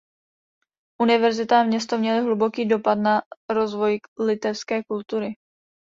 Univerzita a město měly hluboký dopad na rozvoj litevské kultury.